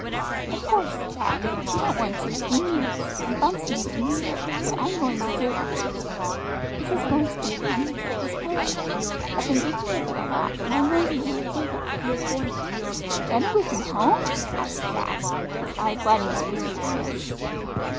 "Of course, Jack, if you don't want to, you needn't, and Bumps needn't either, but I'm going to do it. This is going to be a kind of Jacob's pillar. I've been thinking of it a lot, and I'm going to do what Jacob did." "Run away from home?" asked Jack, his eyes lighting up with eagerness.